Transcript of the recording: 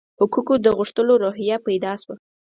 حقوقو د غوښتلو روحیه پیدا شوه.